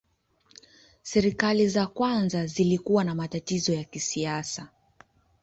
Serikali za kwanza zilikuwa na matatizo ya kisiasa.